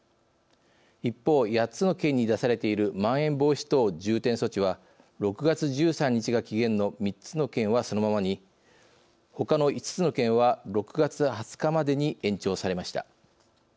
一方、８つの県に出されているまん延防止等重点措置は６月１３日が期限の３つの県はそのままにほかの５つの県は６月２０日までに延長されました。